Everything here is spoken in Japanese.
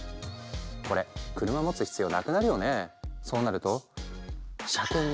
これ車持つ必要なくなるよね。